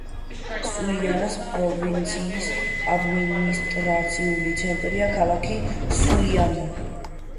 სულიანას პროვინციის ადმინისტრაციული ცენტრია ქალაქი სულიანა.